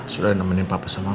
sudah menemani papa selama ini